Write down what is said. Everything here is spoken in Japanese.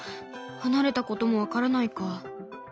離れたことも分からないか。